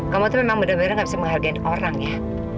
kamu tuh memang benar benar gak bisa menghargain orang ya